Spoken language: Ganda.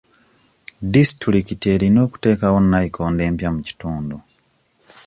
Disitulikiti erina okuteekawo nayikondo empya mu kitundu.